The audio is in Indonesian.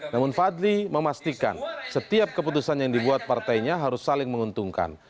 namun fadli memastikan setiap keputusan yang dibuat partainya harus saling menguntungkan